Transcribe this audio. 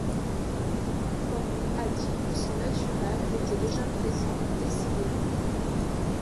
Pope a dit que son naturel était déjà présent dès ses débuts.